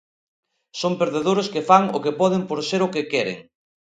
Son perdedores que fan o que poden por ser o que queren.